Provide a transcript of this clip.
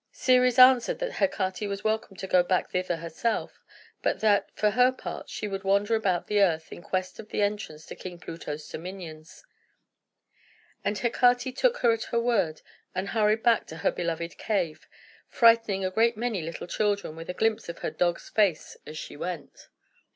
Ceres answered that Hecate was welcome to go back thither herself, but that, for her part, she would wander about the earth in quest of the entrance to King Pluto's dominions. And Hecate took her at her word, and hurried back to her beloved cave, frightening a great many little children with a glimpse of her dog's face as she went.